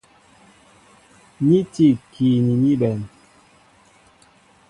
Ni tí ikii ni ní bɛ̌n.